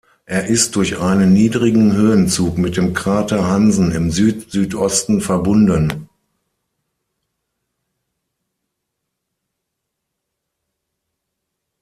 Er ist durch einen niedrigen Höhenzug mit dem Krater Hansen im Süd-Südosten verbunden.